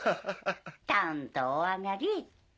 たんとおあがり。